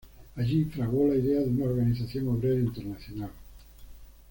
Allí fraguó la idea de una organización obrera internacional.